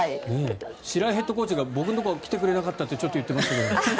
白井ヘッドコーチが僕のところに来てくれなかったとちょっと言ってましたけど。